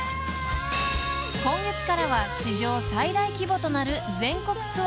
［今月からは史上最大規模となる全国ツアーの開催が決定］